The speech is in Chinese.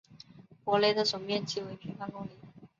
博雷的总面积为平方公里。